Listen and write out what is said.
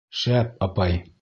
Шәп, апай!